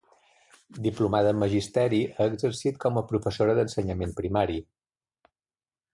Diplomada en magisteri, ha exercit com a professora d'ensenyament primari.